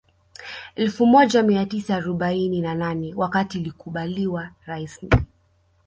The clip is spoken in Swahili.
Elfu moja mia tisa arobaini na nane wakati ilikubaliwa rasmi